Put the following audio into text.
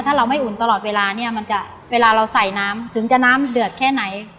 ถ้าเราไม่อุ่นตลอดเวลาเนี่ยมันจะเวลาเราใส่น้ำถึงจะน้ำเดือดแค่ไหน